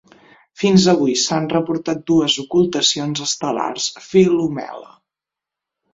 Fins avui s'han reportat dues ocultacions estel·lars Filomela.